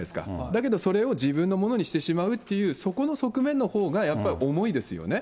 だけどそれを自分のものにしてしまうっていう、そこの側面のほうが、やっぱり重いですよね。